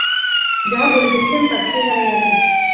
যাহা বলিতেছিলেন তার খেই হারাইয়া গেল।